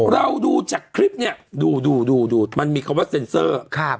เราดูจากคลิปเนี่ยดูดูมันมีคำว่าเซ็นเซอร์